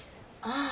ああ。